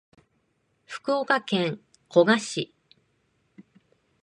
福岡県古賀市